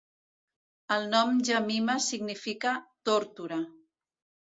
El nom Jemima significa "tórtora".